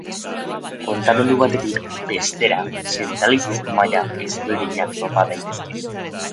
Kantonamendu batetik bestera zentralizazio maila ezberdinak topa daitezke.